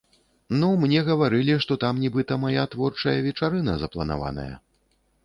Ну, мне гаварылі, што там нібыта мая творчая вечарына запланаваная.